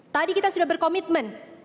tadi kita sudah berkomitmen